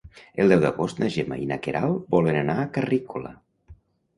El deu d'agost na Gemma i na Queralt volen anar a Carrícola.